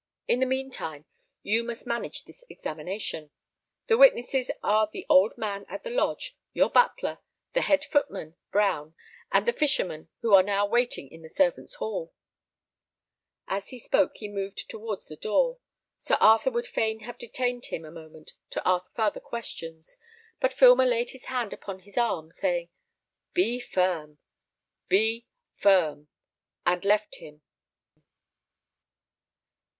In the mean time you must manage this examination. The witnesses are the old man at the lodge, your butler, the head footman, Brown, and the fishermen who are now waiting in the servants' hall." As he spoke he moved towards the door. Sir Arthur would fain have detained him a moment to ask farther questions, but Filmer laid his hand upon his arm, saying, "Be firm, be firm!" and left him.